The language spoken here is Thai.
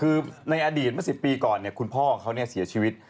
คือในอดีตเมื่อ๑๐ปีก่อนคุณพ่อเขาเสียชีวิต